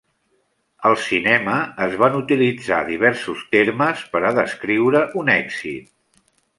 Al cinema, es van utilitzar diversos termes per a descriure un èxit.